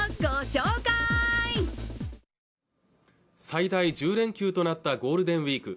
最大１０連休となったゴールデンウィーク